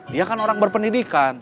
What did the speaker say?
dia kan orang berpendidikan